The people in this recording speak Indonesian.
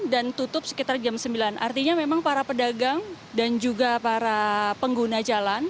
dan tutup sekitar jam sembilan artinya memang para pedagang dan juga para pengguna jalan